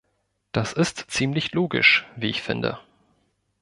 Das ist ziemlich logisch, wie ich finde.